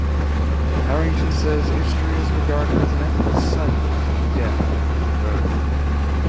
Harrington says history is regarded as an endless cycle of death and rebirth.